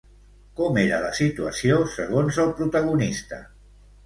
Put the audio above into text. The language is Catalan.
Com era la situació, segons el protagonista?